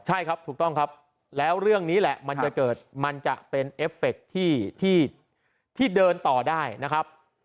ใช่ครับถูกต้องครับแล้วเรื่องนี้แหละมันจะเกิดมันจะเป็นเอฟเฟคที่เดินต่อได้นะครับ